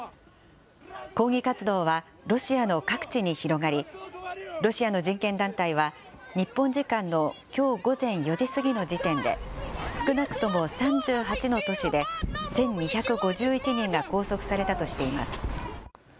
抗議活動はロシアの各地に広がり、ロシアの人権団体は、日本時間のきょう午前４時過ぎの時点で、少なくとも３８の都市で１２５１人が拘束されたとしています。